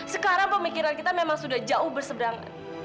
sekarang pemikiran kita memang sudah jauh berseberangan